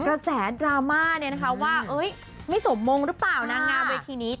โดยเฉพาะกระแสดราม่าเนี่ยว่าไม่สมมุงหรือเปล่านางงามเวทีนี้